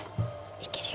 いけるよ。